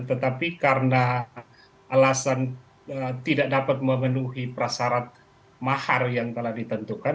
tetapi karena alasan tidak dapat memenuhi prasarat mahar yang telah ditentukan